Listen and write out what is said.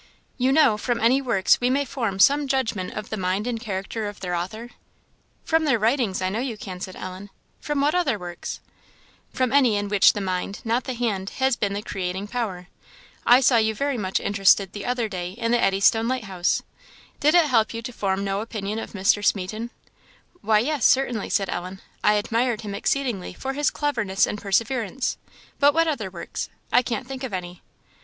"You know, from any works we may form some judgment of the mind and character of their author?" "From their writings, I know you can," said Ellen; "from what other works?" "From any which are not mechanical; from any in which the mind, not the hand, has been the creating power. I saw you very much interested the other day in the Eddystone lighthouse; did it help you to form no opinion of Mr. Smeaton?" "Why, yes, certainly," said Ellen; "I admired him exceedingly for his cleverness and perseverance; but what other works? I can't think of any."